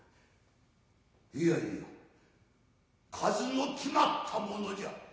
いやいや数の決まったものじゃ。